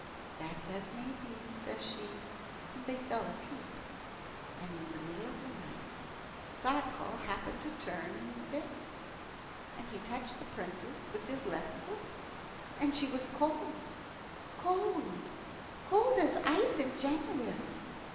"That's as may be," says she, and they fell asleep. And in the middle of the night Sadko happened to turn in bed, and he touched the Princess with his left foot, and she was cold, cold, cold as ice in January.